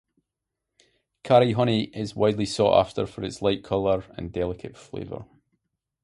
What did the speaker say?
Karri honey is widely sought after for its light color and delicate flavor.